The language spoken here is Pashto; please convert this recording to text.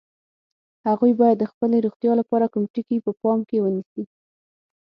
هغوی باید د خپلې روغتیا لپاره کوم ټکي په پام کې ونیسي؟